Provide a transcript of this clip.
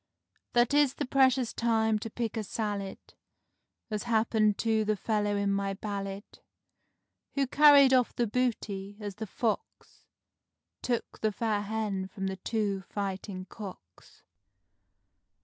That is the precious time to pick a salad, As happened to the fellow in my ballad; Who carried off the booty, as the Fox Took the fair Hen from the two fighting Cocks.